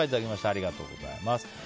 ありがとうございます。